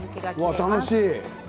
楽しい。